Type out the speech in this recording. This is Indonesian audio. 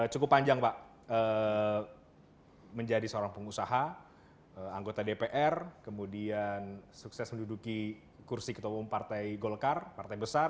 cukup panjang pak menjadi seorang pengusaha anggota dpr kemudian sukses menduduki kursi ketua umum partai golkar partai besar